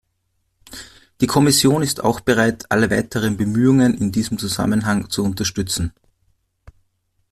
Die Kommission ist auch bereit, alle weiteren Bemühungen in diesem Zusammenhang zu unterstützen.